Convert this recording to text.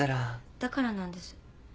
だからなんです。